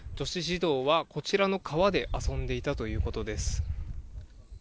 女子児童はこちらの川で遊んでいたということです。